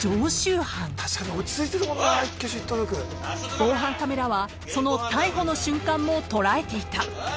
［防犯カメラはその逮捕の瞬間も捉えていた］